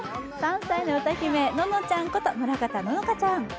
３歳の歌姫、ののちゃんこと村方乃々佳ちゃん。